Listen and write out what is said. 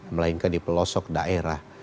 melainkan di pelosok daerah